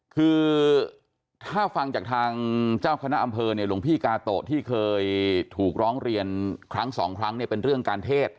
คือถ้าฟังจากทางเจ้าคณะอำเภอเนี่ยหลวงพี่กาโตะที่เคยถูกร้องเรียนครั้งสองครั้งเนี่ยเป็นเรื่องการเทศ